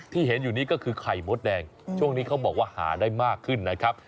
เห็นอยู่นี้ก็คือไข่มดแดงช่วงนี้เขาบอกว่าหาได้มากขึ้นนะครับ